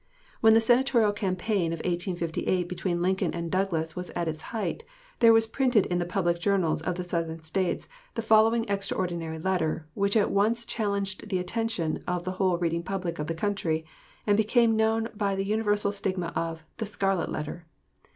When the Senatorial campaign of 1858 between Lincoln and Douglas was at its height, there was printed in the public journals of the Southern States the following extraordinary letter, which at once challenged the attention of the whole reading public of the country, and became known by the universal stigma of "The Scarlet Letter."